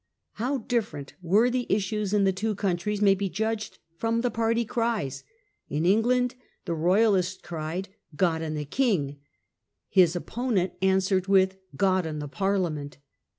How different were the issues in the two countries may be judged from the party cries. In England the Royalist cried * God and the King !* his opponent answered with c God and the Parliament